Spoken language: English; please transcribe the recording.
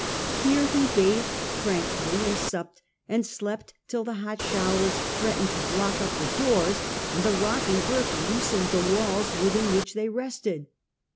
Here he bathed tran quilly and supped and slept till the hot showers threatened to block up the doors, and the rocking earth loosened the walls within which they rested.